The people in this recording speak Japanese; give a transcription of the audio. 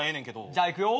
じゃあいくよ。